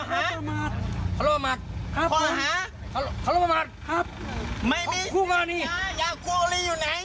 ขอหาอะไรครับพระอบมัติขอหาพระอบมัติไม่มีสิทธิ์อย่ากลูกหลีอยู่ไหน